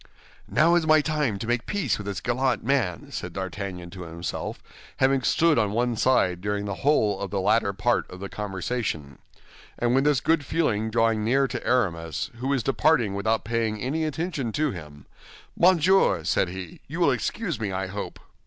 "Now is my time to make peace with this gallant man," said D'Artagnan to himself, having stood on one side during the whole of the latter part of the conversation; and with this good feeling drawing near to Aramis, who was departing without paying any attention to him, "Monsieur," said he, "you will excuse me, I hope."